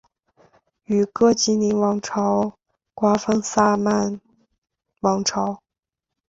与哥疾宁王朝瓜分萨曼王朝。